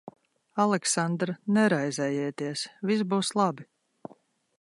Aleksandr, neraizējieties. Viss būs labi.